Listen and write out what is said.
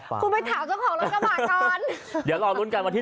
คุณไปถามเจ้าของรถกระบะก่อน